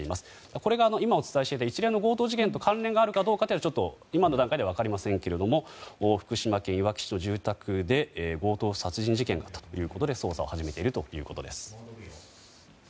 これが、今お伝えしていた一連の強盗事件と関連があるかはちょっと今の段階では分かりませんけれども福島県いわき市の住宅で強盗殺人事件があったということで捜査を始めているということです。